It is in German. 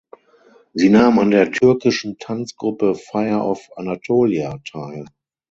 Sie nahm an der türkischen Tanzgruppe Fire of Anatolia teil.